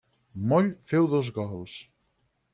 Moll féu dos gols.